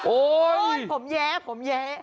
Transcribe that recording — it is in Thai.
โอ๊ยผมแยะผมแยะ